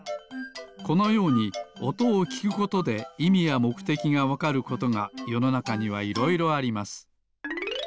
このようにおとをきくことでいみやもくてきがわかることがよのなかにはいろいろあります。